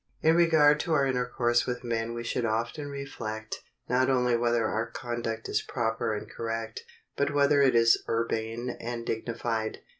In regard to our intercourse with men we should often reflect, not only whether our conduct is proper and correct, but whether it is urbane and dignified.